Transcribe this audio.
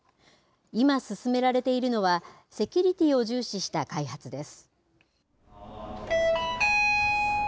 今進められているのは、セキュリティーを重視した開発です。